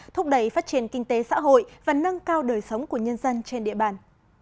thúc đẩy phát triển kinh tế xã hội và nâng cao đời sống của nhân dân trên địa bàn